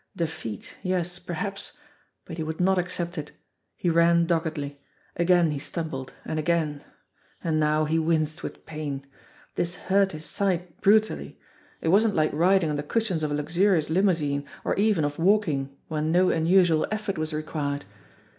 Defeat, yes, perhaps but he would not accept it. He ran doggedly. Again he stumbled, and again. And now he winced with pain. This hurt his side brutally. It wasn't like riding on the cushions of a luxurious limousine, or even of walking when no unusual effort was required.